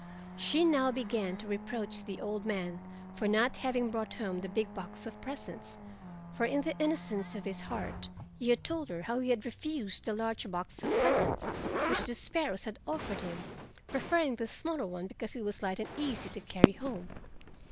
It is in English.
She now began to reproach the old man for not having brought home the big box of presents, for in the innocence of his heart he had told her how he had refused the large box of presents which the sparrows had offered him, preferring the smaller one because it was light and easy to carry home.